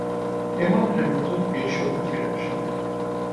এমান Hamilton এই শোতে ফিরে আসেন।